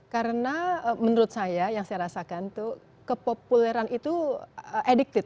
karena menurut saya yang saya rasakan tuh kepopuleran itu addicted